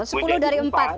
sepuluh dari empat